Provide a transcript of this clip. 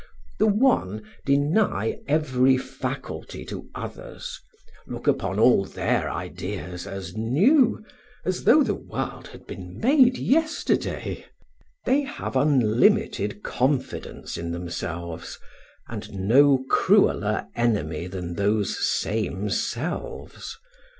The one deny every faculty to others, look upon all their ideas as new, as though the world had been made yesterday, they have unlimited confidence in themselves, and no crueler enemy than those same selves.